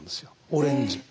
オレンジ。